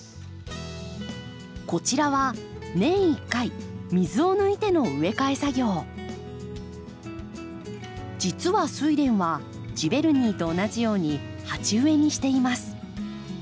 こちらは年１回水を抜いての実はスイレンはジヴェルニーと同じように鉢植えにしています。